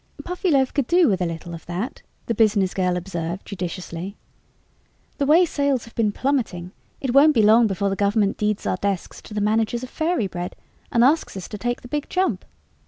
"Puffyloaf could do with a little of that," the business girl observed judiciously. "The way sales have been plummeting, it won't be long before the Government deeds our desks to the managers of Fairy Bread and asks us to take the Big Jump.